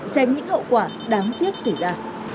tránh những hậu quả đáng tiếc xảy ra